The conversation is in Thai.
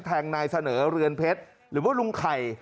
แทงนายเสนอเรือนเพชรหรือว่าลุงไข่